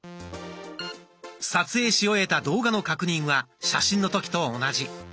撮影し終えた動画の確認は写真の時と同じ。